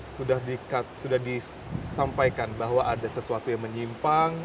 sudah disampaikan bahwa ada sesuatu yang menyimpang